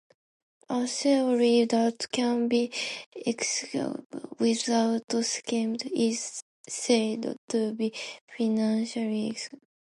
A theory that can be axiomatized without schemata is said to be "finitely axiomatized".